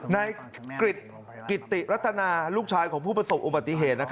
นายกิติรัฐนาลูกชายของผู้ประสบอุบัติเหตุ